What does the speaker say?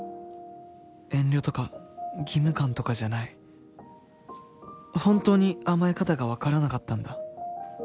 遠慮とか義務感とかじゃない本当に甘え方が分からなかったんだ